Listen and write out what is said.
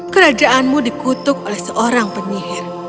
kerajaanmu dikutuk oleh seorang penyihir